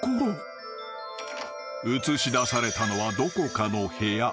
［映しだされたのはどこかの部屋］